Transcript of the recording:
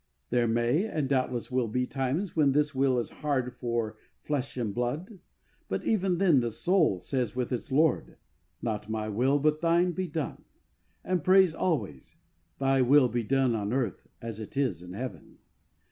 There may, and doubtless will, be times when this will is hard for flesh and blood, but even then the soul says with its Lord, " Not my will, but Thine be done," and prays always, "Thy will be done on earth as it is in heaven."